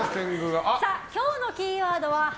今日のキーワードは「＃